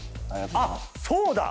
あっそうだ！